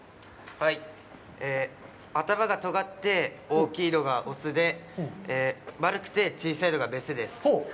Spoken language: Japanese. はい、頭がとがって大きいのが雄で、丸くて小さいのが雌です。